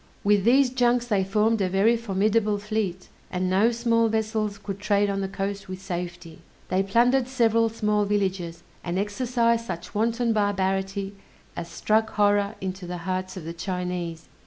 With these junks they formed a very formidable fleet, and no small vessels could trade on the coast with safety. They plundered several small villages, and exercised such wanton barbarity as struck horror into the breasts of the Chinese.